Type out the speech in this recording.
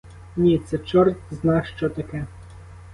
Ні, це чортзна-що таке!